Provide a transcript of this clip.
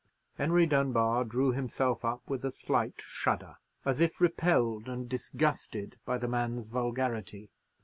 Henry Dunbar drew himself up with a slight shudder, as if repelled and disgusted by the man's vulgarity.